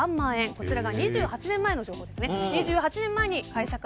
こちらが２８年前の情報ですね。